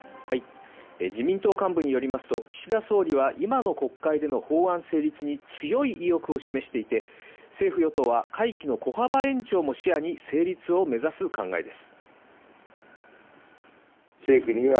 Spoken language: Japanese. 自民党幹部によりますと岸田総理は今の国会での法案成立に強い意欲を示していて、政府・与党は会期の小幅延長も視野に成立を目指す考えです。